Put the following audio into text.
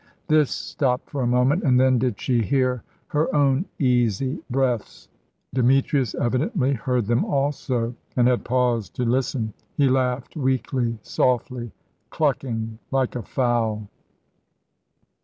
This stopped for a moment, and then did she hear her own easy breaths. Demetrius evidently heard them also, and had paused to listen. He laughed weakly, softly, clucking like a fowl.